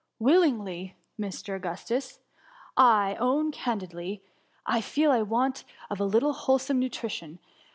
" Willingly, Mr. Augustus. — I own candid ly, I feel the want of a little wholesome nutri tion.